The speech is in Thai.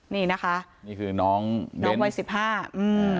นี่นะคะนี่คือน้องน้องวัยสิบห้าอืม